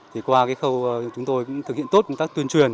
thì qua cái khâu chúng tôi cũng thực hiện tốt công tác tuyên truyền